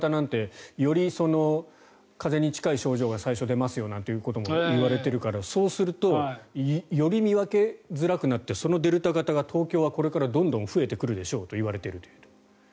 デルタ型なんてより風邪に近い症状が最初出ますよなんてこともいわれているから、そうするとより見分けづらくなってそのデルタ型が今後は東京はどんどん増えてくるでしょうといわれている。